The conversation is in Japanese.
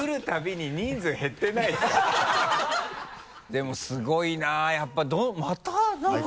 でもすごいなやっぱりまたなんか。